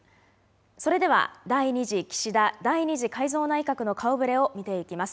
それでは第２次岸田第２次改造内閣の顔ぶれを見ていきます。